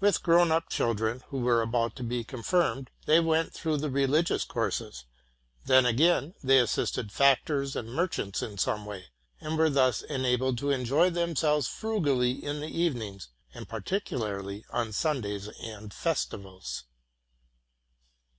With grown up children, who were about to be confirmed, they went through the religious courses ; then, again, they assisted factors. and merchants in some way, and were thus enabled to enjoy themselves frugally in the evenings, and particularly on Sundays and festivals.